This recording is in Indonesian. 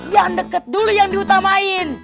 yang deket dulu yang diutamain